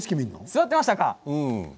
座っていましたか？